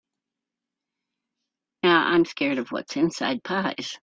Now, I’m scared of what is inside of pies.